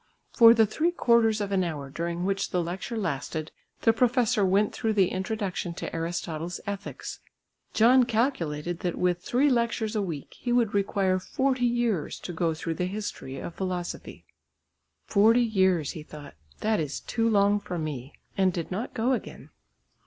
For the three quarters of an hour during which the lecture lasted the professor went through the introduction to Aristotle's Ethics. John calculated that with three lectures a week he would require forty years to go through the history of philosophy. "Forty years," he thought, "that is too long for me." And did not go again.